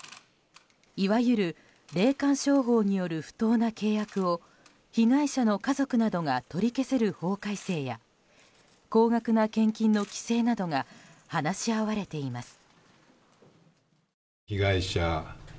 いわゆる霊感商法による不当な契約を被害者の家族などが取り消せる法改正や高額な献金の規制などが話し合われています。